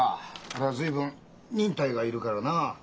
ありゃ随分忍耐がいるからなあ。